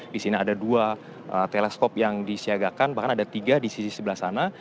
di sini ada dua teleskop yang disiagakan bahkan ada tiga di sisi sebelah sana